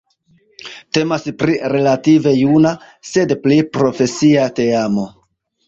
Temas pri relative juna, sed pli profesia teamo.